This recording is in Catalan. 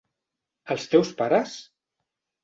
Els teus pares?